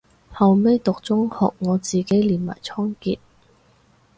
後尾讀中學我自己練埋倉頡